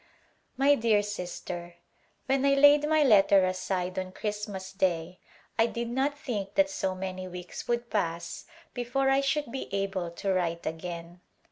My dear Sister : When I laid my letter aside on Christmas Day I did not think that so many weeks would pass before I should be able to write again.